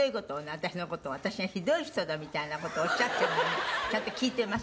私の事を私がひどい人だ！みたいな事をおっしゃってるのもねちゃんと聞いてます。